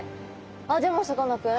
でもさかなクン。